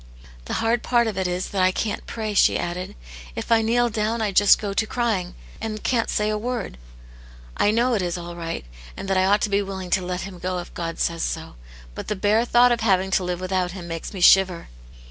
"The hard part of it is that I can't pray," she added. " If I kneel down I just go to crying, and can*t say a word; I know it is all right, and that I ought to be willing to let him go if God says so ; but the bare thought of having to live without him makes me shiver."